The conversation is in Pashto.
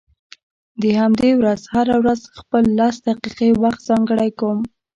د همدې لپاره هره ورځ خپل لس دقيقې وخت ځانګړی کوم.